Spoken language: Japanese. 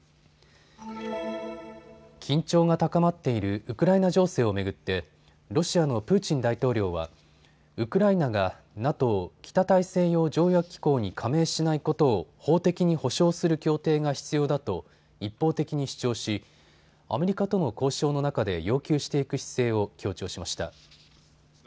緊張が高まっているウクライナ情勢を巡ってロシアのプーチン大統領はウクライナがＮＡＴＯ・北大西洋条約機構に加盟しないことを法的に保証する協定が必要だと一方的に主張しアメリカとの交渉の中で要求していく姿勢を強調しました。